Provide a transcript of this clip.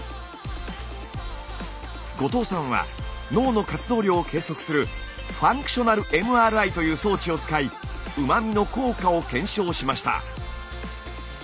後藤さんは脳の活動量を計測するファンクショナルＭＲＩという装置を使いうま味の効果を検証しました。